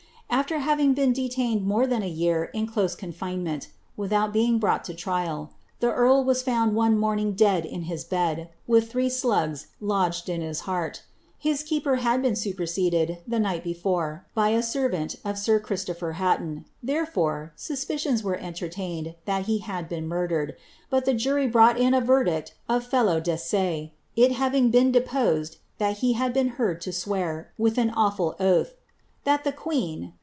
After having been detained more than a year in close confinement, without being brought to trial, the earl was found one morning dead in his bed, with three slugs lodged in his heart. Ilis keeper had been superseded, the night before, by a seri'ant of sir Christopher Ilaiion ; therefore, suspicions were entertained that he had been murdered, but the Jury brought in a verdict of felo de se, it having been deposed that he had been heard lo swear, with an awful oath, " that ihe queen."